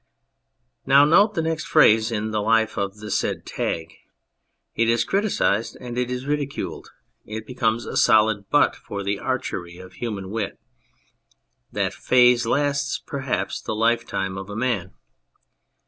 Now note the next phase in the life of the said tag. It is criticised and it is ridiculed ; it becomes a solid butt for the archery of human wit. That phase lasts, perhaps, the lifetime of a man.